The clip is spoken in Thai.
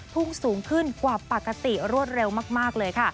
พุ่งสูงขึ้นกว่าปกติรวดเร็วมากเลยค่ะ